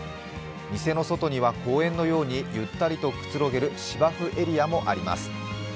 店の外には公園のようにゆったりとくつろげる芝生エリアもあります。